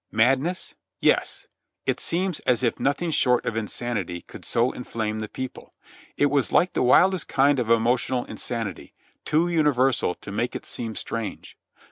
Madness? Yes! It seems as if nothing short of insanity could so inflame the people. It was like the wildest kind of emotional insanity, too universal to make it seem strange.